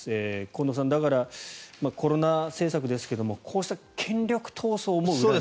近藤さんだからコロナ政策ですがこうした権力闘争も裏にあるという。